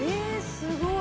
すごい。